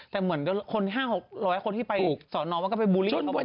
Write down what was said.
แต่เหมือนคน๕๐๐คนที่ไปสอนอมันก็ไปบูลลี่เขาเหมือนกัน